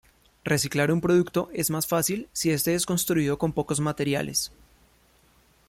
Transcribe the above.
Reciclar un producto es más fácil si este es construido con pocos materiales.